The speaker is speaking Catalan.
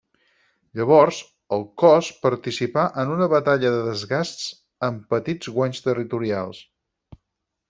Llavors, el Cos participà en una batalla de desgasts amb petits guanys territorials.